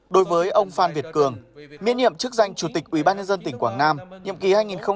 đối với ông phan việt cường miễn nhiệm chức danh chủ tịch ubnd tỉnh quảng nam nhiệm kỳ hai nghìn hai mươi một hai nghìn hai mươi sáu